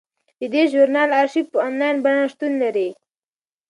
د دې ژورنال ارشیف په انلاین بڼه شتون لري.